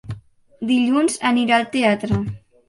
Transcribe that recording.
Dilluns anirà al teatre.